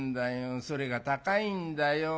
それが高いんだよ。